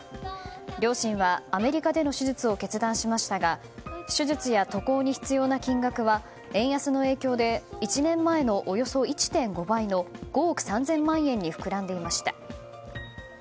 両親はアメリカでの手術を決断しましたが手術や渡航に必要な金額は円安の影響で１年前のおよそ１．５倍の５億３０００万円に膨らんでいました。